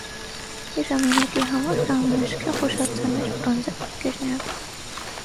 Իր ժամանակի համար դա ամենաշքեղ հուշարձանն էր՝ բրոնզե պատկերներով։